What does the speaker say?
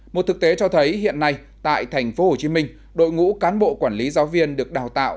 một thực tế cho thấy hiện nay tại tp hcm đội ngũ cán bộ quản lý giáo viên được đào tạo